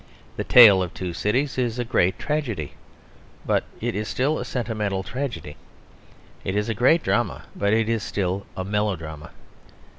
The Tale of Two Cities is a great tragedy, but it is still a sentimental tragedy. It is a great drama, but it is still a melodrama.